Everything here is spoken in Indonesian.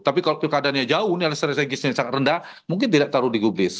tapi kalau pilkadanya jauh nilai strategisnya sangat rendah mungkin tidak taruh di gublis